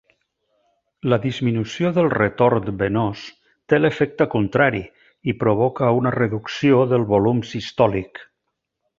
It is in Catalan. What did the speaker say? La disminució del retorn venós té l'efecte contrari i provoca una reducció del volum sistòlic.